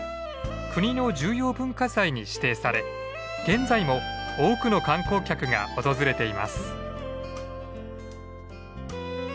国の重要文化財に指定され現在も多くの観光客が訪れています。